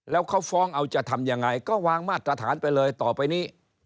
แล้วเขาฟ้องเอาจะทำยังไงก็วางมาตรฐานไปเลยต่อไปนี้